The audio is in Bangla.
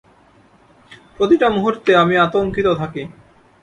প্রতিটা মুহূর্তে আমি আতঙ্কিত থাকি।